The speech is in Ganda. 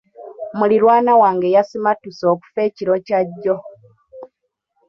Muliraanwa wange yasimattuse okufa ekiro Kya jjo.